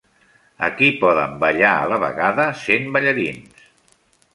Aquí poden ballar a la vegada cent ballarins.